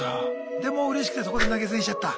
でもううれしくてそこで投げ銭しちゃった？